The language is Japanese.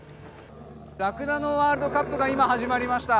ラクダのワールドカップが今始まりました。